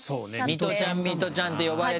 ミトちゃんミトちゃんって呼ばれてて。